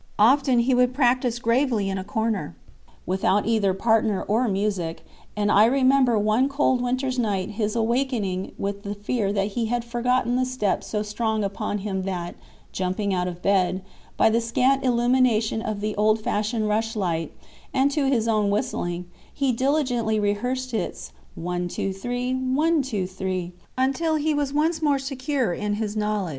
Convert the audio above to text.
Often he would practice gravely in a corner, without either partner or music, and I remember one cold winter's night his awakening with the fear that he had forgotten the step so strong upon him that, jumping out of bed, by the scant illumination of the old fashioned rushlight, and to his own whistling, he diligently rehearsed its "one, two, three, one, two, three" until he was once more secure in his knowledge.